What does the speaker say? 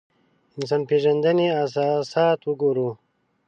انسان پېژندنې اساسات وګورو.